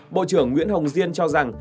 bộ trưởng nguyễn hồng diên cho rằng